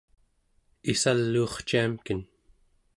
issaluurciamken